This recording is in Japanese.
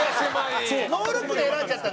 ノールックで選んじゃった。